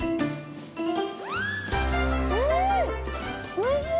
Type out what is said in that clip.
おいしい！